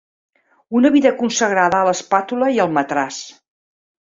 Una vida consagrada a l'espàtula i al matràs.